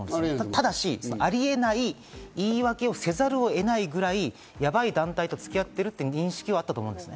ただし、ありえない、言い訳をせざるを得ないぐらいやばい団体とつき合っているという認識はあったと思います。